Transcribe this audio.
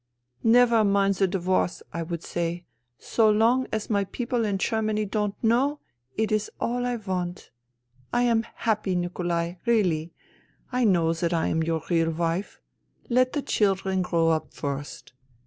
"' Never mind the divorce,' I would say. ' So long as my people in Germany don't know, it is all I want. I am happy, Nikolai, really. I know that I am your real wife. Let the children grow up first.